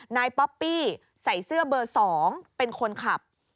ป๊อปปี้ใส่เสื้อเบอร์๒เป็นคนขับ